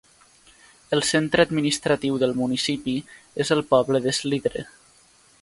El centre administratiu del municipi és el poble de Slidre.